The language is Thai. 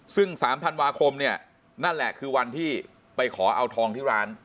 ซึ่ง๓ธันวาคมเนี่ยนั่นแหละคือวันที่ไปขอเอาทองที่ร้าน